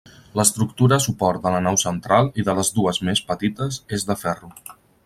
L'estructura suport de la nau central i de les dues més petites és de ferro.